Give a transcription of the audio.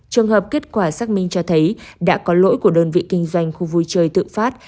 trường hợp kết quả xác minh cho thấy đã có lỗi của đơn vị kinh doanh khu vui chơi tự phát